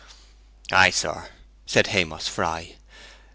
'Ay, sir,' said Haymoss Fry.